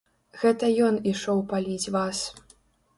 Гэта ён ішоў паліць вас.